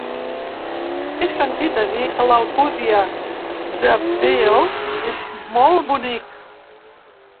He sentit a dir que l'Alcúdia de Veo és molt bonic.